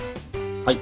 はい。